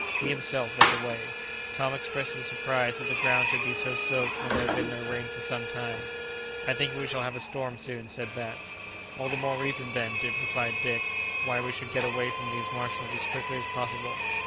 He himself led the way. Tom expressed his surprise that the ground should be so soaked when there had been no rain for some time. "I think we shall have a storm soon," said Bat, "All the more reason, then," replied Dick, "why we should get away from these marshes as quickly as possible.